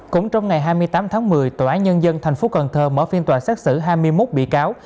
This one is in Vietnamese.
cũng trong ngày hai mươi tám tháng một mươi tòa án nhân dân thành phố cần thơ mở phiên tòa xét xử hai mươi một bị cáo